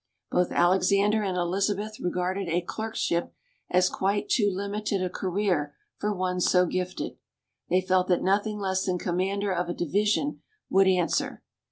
Both Alexander and Elizabeth regarded "a clerkship" as quite too limited a career for one so gifted; they felt that nothing less than commander of a division would answer.